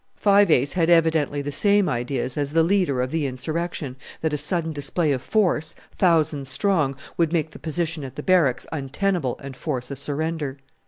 Five Ace had evidently the same ideas as the leader of the insurrection, that a sudden display of force, thousands strong, would make the position at the Barracks untenable and force a surrender.